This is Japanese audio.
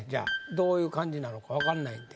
どういう感じなのか分かんないんで。